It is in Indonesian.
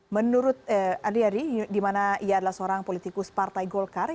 menurut andriadi di mana ia adalah seorang politikus partai golkar